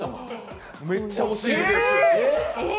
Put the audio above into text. めっちゃ惜しいです。